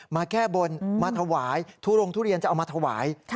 มาแก้บนมาถวายทุโรงทุเรียนจะเอามาถวาย